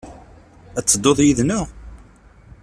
Ad tedduḍ yid-neɣ?